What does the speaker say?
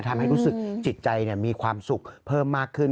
ทำให้รู้สึกจิตใจมีความสุขเพิ่มมากขึ้น